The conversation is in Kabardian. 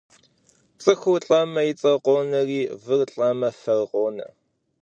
Цӏыхур лӏэмэ и цӏэр къонэри, выр лӏэмэ фэр къонэ.